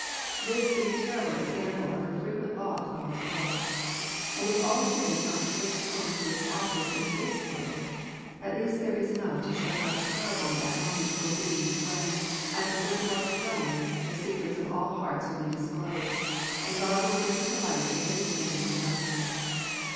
This is a terrible example of a frequent law of God's world. And if all sin is not traced home to its authors in this world, at least there is enough to show how terrible that moment will be, when, at the "great white throne," the secrets of all hearts will be disclosed, and God will bring to light the hidden things of darkness.